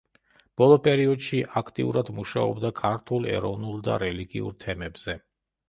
ბოლო პერიოდში აქტიურად მუშაობდა ქართულ ეროვნულ და რელიგიურ თემებზე.